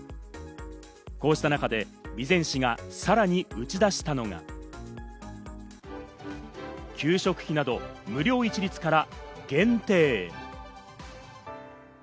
こうした中で備前市がさらに打ち出したのが、給食費など無料一律から限定へ。